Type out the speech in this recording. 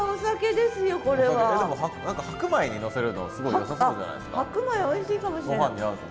でも何か白米にのせるのすごいよさそうじゃないですか。